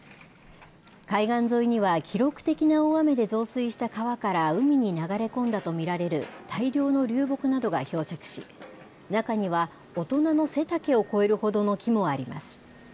海岸沿いには記録的な大雨で増水した川から海に流れ込んだと見られる大量の流木などが漂着し、中には大人の背丈を超えるほどの木もあります。